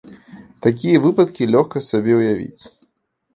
Такія выпадкі лёгка сабе ўявіць.